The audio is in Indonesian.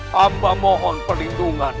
hamba mohon perlindungan